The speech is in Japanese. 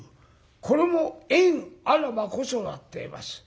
これも「縁あらばこそだ」っていいます。